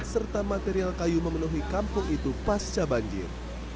serta material kayu memenuhi kampung itu pasca banjir